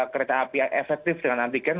kereta api yang efektif dengan antigen